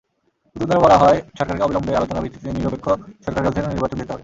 প্রতিবেদনে বলা হয়, সরকারকে অবিলম্বে আলোচনার ভিত্তিতে নিরপেক্ষ সরকারের অধীনে নির্বাচন দিতে হবে।